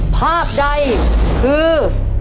ภาพใดคือ